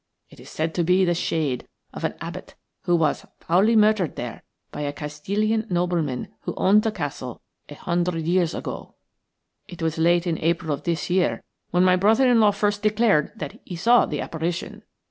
It is said to be the shade of an abbot who was foully murdered there by a Castilian nobleman who owned the castle a hundred years ago. "It was late in April of this year when my brother in law first declared that he saw the apparition.